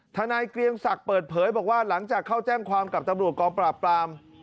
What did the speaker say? นายเกรียงศักดิ์เปิดเผยบอกว่าหลังจากเข้าแจ้งความกับตำรวจกองปราบปราม